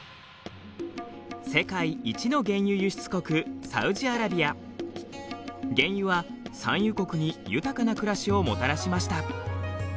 世界一の原油輸出国原油は産油国に豊かな暮らしをもたらしました。